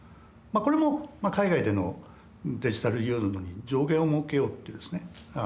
これも海外でのデジタルユーロに上限をもうけようっていうですね